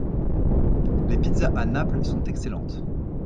Les pizzas à Naples sont excellentes.